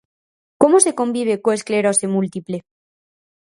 Como se convive coa esclerose múltiple?